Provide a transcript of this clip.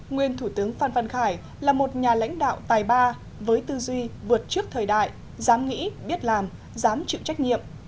nguyên thủ tướng phan văn khải là một nhà lãnh đạo tài ba với tư duy vượt trước thời đại dám nghĩ biết làm dám chịu trách nhiệm